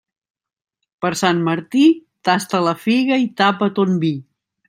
Per Sant Martí, tasta la figa i tapa ton vi.